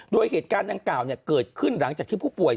โดยเหตุการณ์ดังกล่าวเกิดขึ้นหลังจากที่ผู้ป่วย